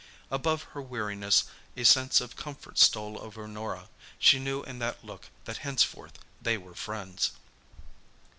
Above her weariness a sense of comfort stole over Norah. She knew in that look that henceforth they were friends.